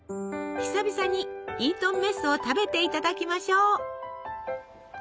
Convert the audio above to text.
久々にイートンメスを食べていただきましょう！